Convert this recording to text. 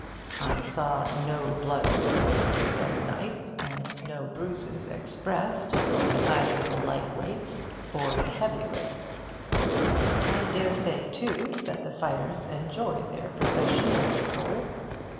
I saw no blood spilt, the other night, and no bruises expressed, by either the 'light weights' or the 'heavy weights.' I dare say, too, that the fighters enjoy their profession, on the whole.